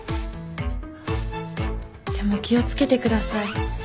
でも気を付けてください。